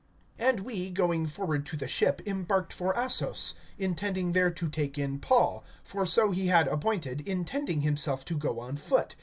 (13)And we, going forward to the ship, embarked for Assos, intending there to take in Paul; for so he had appointed, intending himself to go on foot.